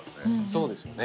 そうですよね。